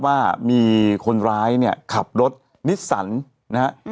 ว่ามีคนร้ายเนี่ยขับรถนิสสันนะฮะ